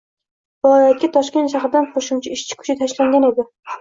Viloyatga Toshkent shahridan qoʻshimcha ishchi kuchi tashlangan edi.